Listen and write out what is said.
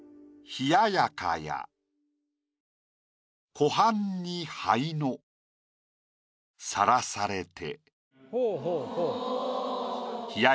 「冷ややかや湖畔に肺の晒されて」。